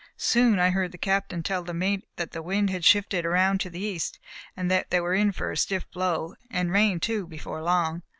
Soon I heard the Captain tell the mate that the wind had shifted around into the east, and that they were in for a stiff blow, and rain, too, before long.